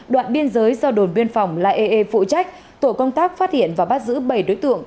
đoạn biên giới do đồn biên phòng la eê phụ trách tổ công tác phát hiện và bắt giữ bảy đối tượng